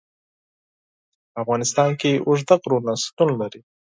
په افغانستان کې اوږده غرونه شتون لري.